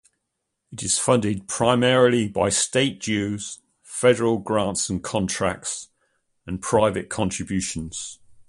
It is funded primarily by state dues, federal grants and contracts, and private contributions.